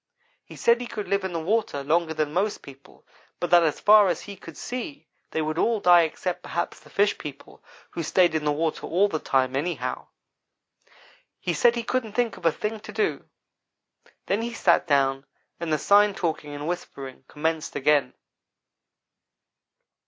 He said he could live in the water longer than most people, but that as far as he could see they would all die except, perhaps, the fish people, who stayed in the water all the time, anyhow. He said he couldn't think of a thing to do then he sat down and the sign talking and whispering commenced again.